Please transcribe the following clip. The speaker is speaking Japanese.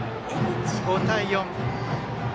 ５対４。